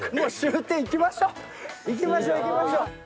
行きましょう行きましょう。